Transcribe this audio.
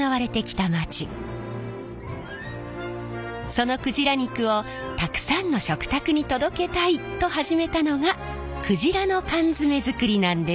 その鯨肉をたくさんの食卓に届けたいと始めたのが鯨の缶詰作りなんです。